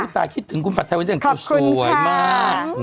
ตายคิดถึงคุณปัดไทยวิทยาลัยกรูสวยมาก